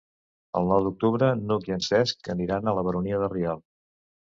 El nou d'octubre n'Hug i en Cesc aniran a la Baronia de Rialb.